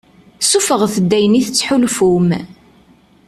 Ssuffɣet-d ayen i tettḥulfum.